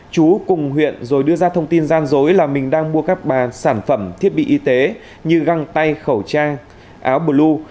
chú cùng huyện rồi đưa ra thông tin gian dối là mình đang mua các bà sản phẩm thiết bị y tế như găng tay khẩu trang áo blue